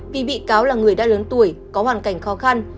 vì bị cáo là người đã lớn tuổi có hoàn cảnh khó khăn